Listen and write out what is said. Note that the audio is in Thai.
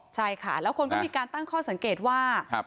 ใช่ค่ะแล้วคนก็มีการตั้งข้อสังเกตว่า